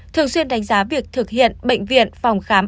thường xuyên đánh giá việc thực hiện bệnh viện phòng khám